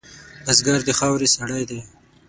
بزګر د خاورې سړی دی